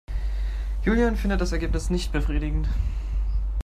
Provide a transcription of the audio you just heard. Julian findet das Ergebnis nicht befriedigend.